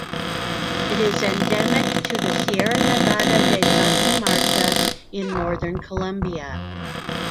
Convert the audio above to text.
It is endemic to the Sierra Nevada de Santa Marta in northern Colombia.